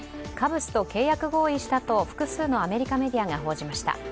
カブスと契約合意したと複数のアメリカメディアが報じました。